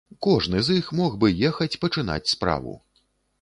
Кожны з іх мог бы ехаць пачынаць справу.